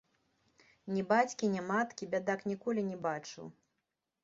Ні бацькі, ні маткі бядак ніколі не бачыў.